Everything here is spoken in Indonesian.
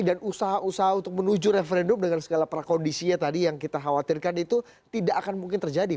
dan usaha usaha untuk menuju referendum dengan segala prakondisinya tadi yang kita khawatirkan itu tidak akan mungkin terjadi